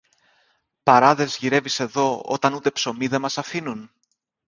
Παράδες γυρεύεις εδώ, όταν ούτε ψωμί δεν μας αφήνουν;